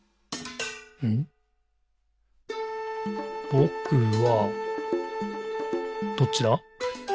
「ぼくは、」どっちだ？